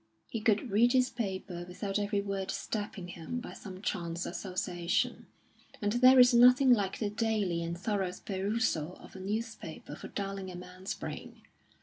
He could read his paper without every word stabbing him by some chance association; and there is nothing like the daily and thorough perusal of a newspaper for dulling a man's brain.